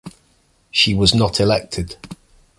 She was not elected.